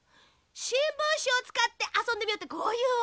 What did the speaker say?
しんぶんしをつかってあそんでみようってこういうわけ。